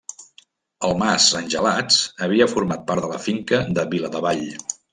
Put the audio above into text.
El mas Angelats havia format part de la finca de Viladevall.